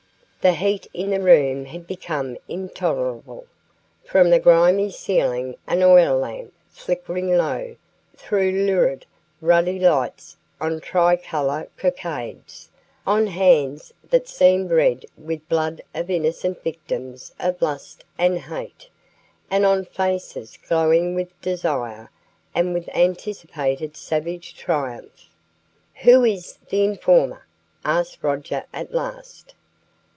The heat in the room had become intolerable. From the grimy ceiling an oil lamp, flickering low, threw lurid, ruddy lights on tricolour cockades, on hands that seemed red with the blood of innocent victims of lust and hate, and on faces glowing with desire and with anticipated savage triumph. "Who is the informer?" asked Roger at last.